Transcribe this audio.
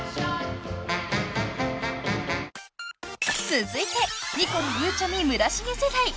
［続いてニコルゆうちゃみ村重世代］